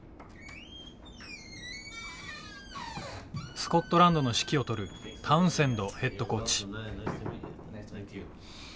スコットランドの指揮を執るタウンセンドヘッドコーチ。